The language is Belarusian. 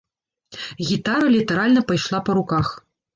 Гітара літаральна пайшла па руках.